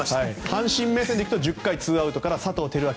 阪神目線でいくと１０回２アウトから佐藤輝明